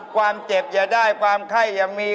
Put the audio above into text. ความเจ็บอย่าได้ความไข้อย่ามี